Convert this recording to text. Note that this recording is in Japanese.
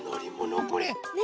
これ。ねえ。